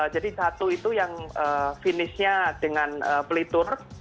jadi satu itu yang finish nya dengan pelitur